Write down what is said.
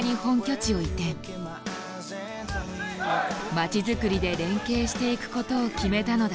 街づくりで連携していくことを決めたのだ。